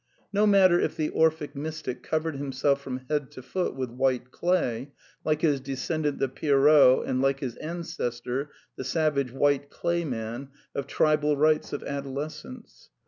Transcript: No matter if the Orphic mystic covered himself from head to foot with white clay, like his descendant the Pierrot and like his ancestor, the savage "white clay man'' of tribal rites of adolescence.